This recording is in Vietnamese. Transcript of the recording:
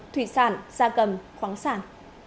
thủy sản gia cầm khoáng sản